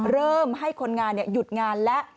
เริ่มให้คนงานหยุดงานแล้ว